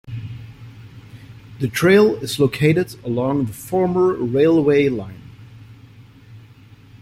The trail is located along the former railway line.